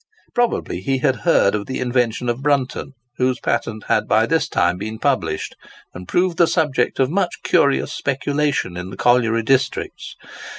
Probably he had heard of the invention of Brunton, whose patent had by this time been published, and proved the subject of much curious speculation in the colliery districts.